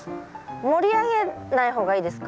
盛り上げない方がいいですか？